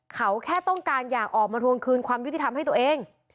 เขาแค่ต้องการอยากออกมาทวงคืนความยุติธรรมให้ตัวเอง